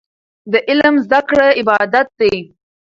د علم زده کړه عبادت دی.